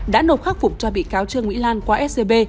đã nộp khắc phục cho bị cáo trương mỹ lan qua scb